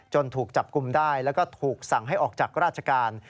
ถูกจับกลุ่มได้แล้วก็ถูกสั่งให้ออกจากราชการ